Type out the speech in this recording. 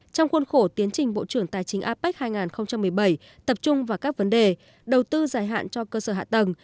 trong khuôn khổ tiến trình bộ trưởng tài chính apec hai nghìn một mươi bảy tập trung vào các vấn đề đầu tư dài hạn cho cơ sở hạ tầng